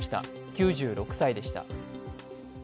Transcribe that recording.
９６歳でした。